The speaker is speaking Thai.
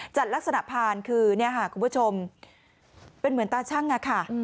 จัดลักษณะพานคือเนี่ยค่ะคุณผู้ชมเป็นเหมือนตาชั่งอะค่ะ